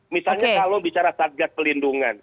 misalnya kalau bicara satgas pelindungan